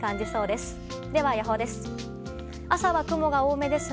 では、予報です。